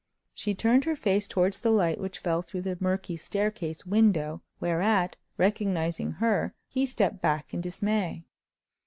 She turned her face towards the light which fell through the murky staircase window, whereat, recognizing her, he stepped back in dismay.